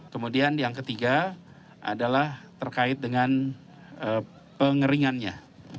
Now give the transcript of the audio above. kemudian yang ketiga adalah terkait dengan pengeringannya